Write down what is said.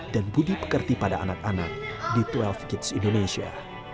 dan budi pekerti pada anak anak di dua belas kids indonesia